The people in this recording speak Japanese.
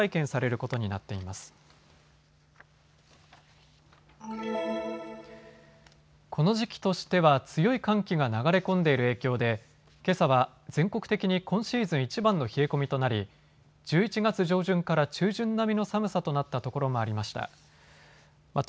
この時期としては強い寒気が流れ込んでいる影響でけさは全国的に今シーズンいちばんの冷え込みとなり１１月上旬から中旬並みの寒さとなったところもありました。